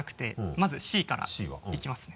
まず「Ｃ」からいきますね。